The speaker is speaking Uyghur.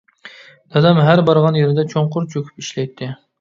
دادام ھەر بارغان يېرىدە چوڭقۇر چۆكۈپ ئىشلەيتتى.